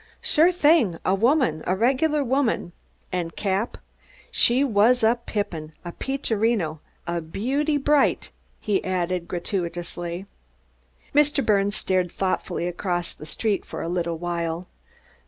"Sure thing a woman, a regular woman. And, Cap, she was a pippin, a peachorino, a beauty bright," he added, gratuitously. Mr. Birnes stared thoughtfully across the street for a little while.